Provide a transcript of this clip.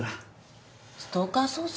ストーカー捜査？